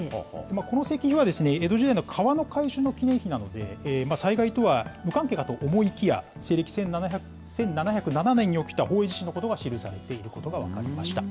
この石碑は、江戸時代の川のかいしの記念碑なので、災害とは無関係かと思いきや、西暦１７０７年に起きた宝永地震のことが記されていることが分かりました。